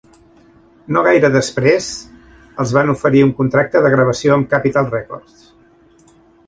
No gaire després, els van oferir un contracte de gravació amb Capitol Records.